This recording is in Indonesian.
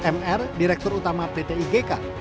mr direktur utama pt igk